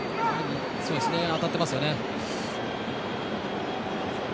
当たってますよね。